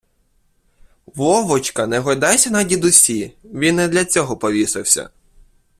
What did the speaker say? Вовочка, не гойдайся на дідусі, він не для цього повісився